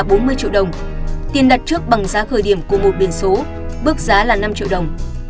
là bốn mươi triệu đồng tiền đặt trước bằng giá khởi điểm của một biển số bước giá là năm triệu đồng